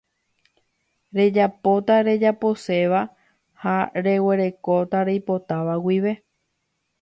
Rejapóta rejaposéva ha reguerekóta reipotáva guive